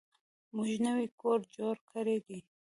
موږ نوی کور جوړ کړی دی.